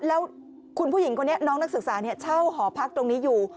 แล้วคุณผู้หญิงคนนี้น้องนักศึกษาเช่าหอพักตรงนี้อยู่